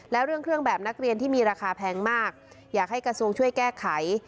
แล้วเรื่องเครื่องแบบนักเรียนที่มีราคาแพงมากอยากให้กระทรวงช่วยแก้ไข